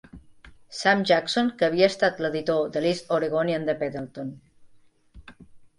"Sam" Jackson, que havia estat l'editor de l'"East Oregonian" de Pendleton.